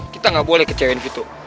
kita nggak boleh kecewain gitu